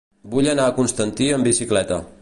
Vull anar a Constantí amb bicicleta.